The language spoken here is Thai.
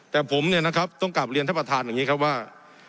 แต่ผมเนี่ยนะครับต้องกลับเรียนท่านประธานอย่างนี้ครับว่า